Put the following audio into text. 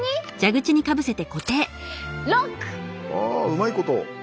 あうまいこと！